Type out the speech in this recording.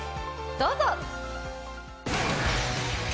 どうぞ。